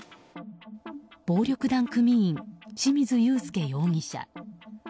暴力団組員、清水勇介容疑者。